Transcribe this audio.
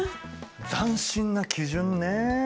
斬新な基準ね。